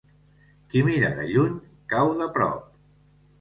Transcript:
Qui mira de lluny, cau de prop.